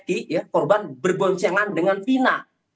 korban berboncengan dengan tina